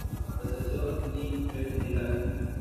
Recepción y fecundidad.